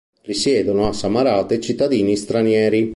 Risiedono a Samarate cittadini stranieri.